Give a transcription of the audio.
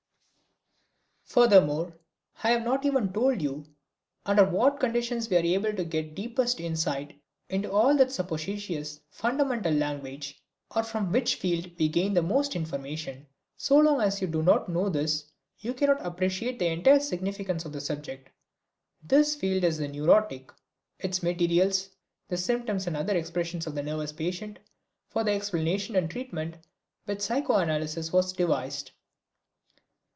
Furthermore, I have not even told you under what conditions we are able to get the deepest insight into that suppositious "fundamental language," or from which field we gain the most information. So long as you do not know this you cannot appreciate the entire significance of the subject. This field is the neurotic, its materials, the symptoms and other expressions of the nervous patient, for the explanation and treatment of which psychoanalysis was devised.